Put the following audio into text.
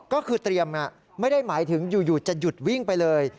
ก็คือเตรียมไม่ได้หมายถึงอยู่จะหยุดวิ่งไปเลย